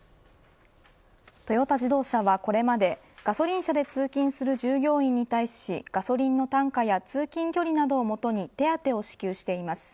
トヨタ自動車はこれまでガソリン車で通勤する従業員に対しガソリンの単価や通勤距離などをもとに手当を支給しています。